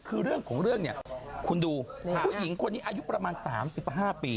คือเรื่องของเรื่องเนี่ยคุณดูผู้หญิงคนนี้อายุประมาณ๓๕ปี